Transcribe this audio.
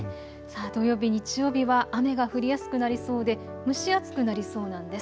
土曜日、日曜日は雨が降りやすくなりそうで蒸し暑くなりそうなんです。